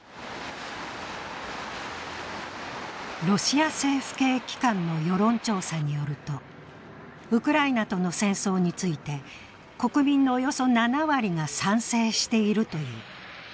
ロシア政府系機関の世論調査によるとウクライナとの戦争について国民のおよそ７割が賛成しているという。